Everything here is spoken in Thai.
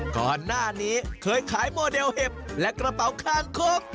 ก่อนหน้านี้เคยขายโมเดลเห็บและกระเป๋าคางคก